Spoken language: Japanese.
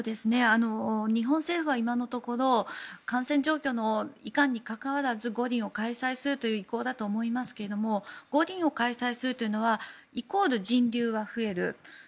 日本政府は今のところ感染状況のいかんに関わらず五輪を開催するという意向だと思いますが五輪を開催するというのはイコール、人流は増える。